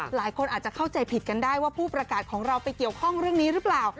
หลายคนอาจจะเข้าใจผิดกันได้ว่าผู้ประกาศของเราไปเกี่ยวข้องเรื่องนี้หรือเปล่า